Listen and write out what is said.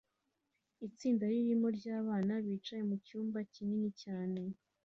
Itsinda rinini ryabana bicaye mucyumba kinini cyane